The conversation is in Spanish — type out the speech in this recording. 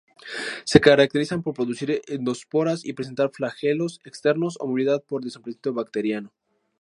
Se caracterizan por producir endosporas y presentar flagelos externos o movilidad por desplazamiento bacteriano.